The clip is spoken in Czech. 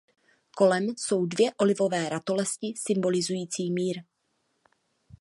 Kolem jsou dvě olivové ratolesti symbolizující mír.